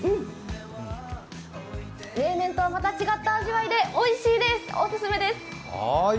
冷麺とは、また違った味わいでおいしいです、お勧めです。